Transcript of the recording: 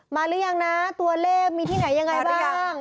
หรือยังนะตัวเลขมีที่ไหนยังไงบ้างยัง